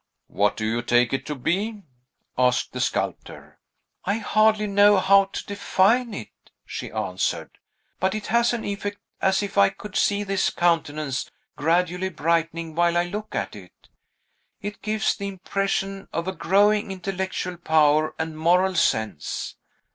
"What do you take it to be?" asked the sculptor. "I hardly know how to define it," she answered. "But it has an effect as if I could see this countenance gradually brightening while I look at it. It gives the impression of a growing intellectual power and moral sense.